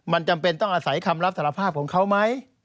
มันจำเป็นต้องอาศัยคำรับสารภาพของเขาไหม